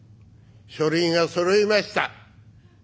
書類がそろいました。